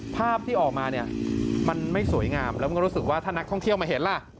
ภาพที่ออกมาเนี่ยมันไม่สวยงามแล้วมันก็รู้สึกว่าถ้านักท่องเที่ยวมาเห็นล่ะ